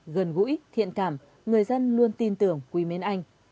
gần gũi thiện cảm người dân luôn tin tưởng quý mến anh